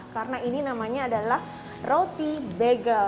karena ini namanya adalah roti bagel